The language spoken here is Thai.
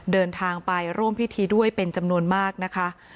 เดินทางไปร่วมพิธีด้วยเป็นจำนวนมากนะคะ